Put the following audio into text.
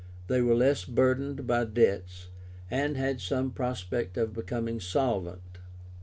They were less burdened by debts, and had some prospect of becoming solvent.